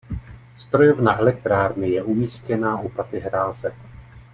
Strojovna elektrárny je umístěná u paty hráze.